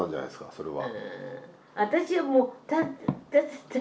それは。